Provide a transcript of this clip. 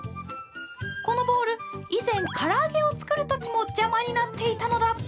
このボウル以前、から揚げを作るときも邪魔になっていたのだ。